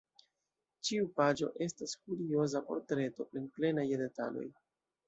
Ĉiu paĝo estas kurioza portreto plenplena je detaloj.